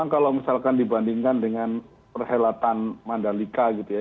kalau misalkan dibandingkan dengan perhelatan mandalika gitu ya